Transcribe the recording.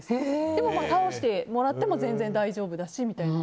でも、倒してもらっても全然、大丈夫だしみたいな。